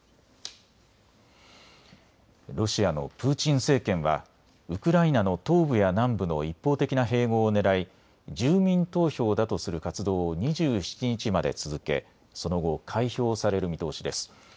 ロシアのプーチン政権はウクライナの東部や南部の一方的な併合をねらい住民投票だとする活動を２７日まで続け、その後、開票される見通しです。